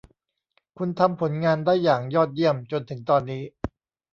คุณทำผลงานได้อย่างยอดเยี่ยมจนถึงตอนนี้